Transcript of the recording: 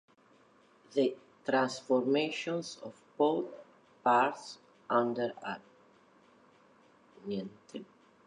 The transformations of both parts under a chiral symmetry do not cancel in general.